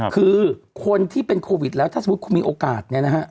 คือคนที่เป็นโควิดแล้วถ้าสมมติคุณมีโอกาส